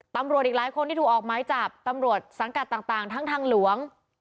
อีกหลายคนที่ถูกออกไม้จับตำรวจสังกัดต่างทั้งทางหลวง